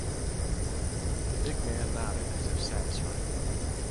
The big man nodded as if satisfied.